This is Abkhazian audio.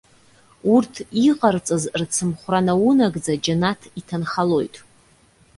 Урҭ, иҟарҵаз рцымхәра наунагӡа џьанаҭ иҭанхалоит.